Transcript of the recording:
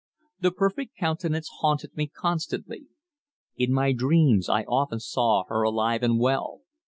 The perfect countenance haunted me constantly. In my dreams I often saw her alive and well.